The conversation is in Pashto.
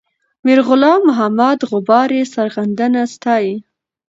میرغلام محمد غبار یې سرښندنه ستایي.